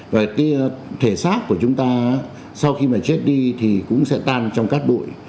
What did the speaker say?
và cái thể xác của chúng ta sau khi mà chết đi thì cũng sẽ tan trong cát bụi